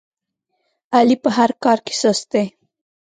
علي په هر کار کې سست دی.